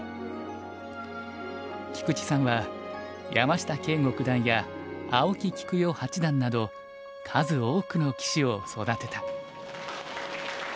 菊池さんは山下敬吾九段や青木喜久代八段など数多くの棋士を育てた。